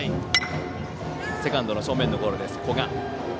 セカンドの正面のゴロです。